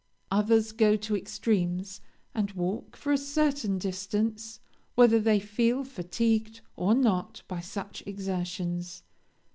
Others go to extremes, and walk for a certain distance, whether they feel fatigued or not by such exertions.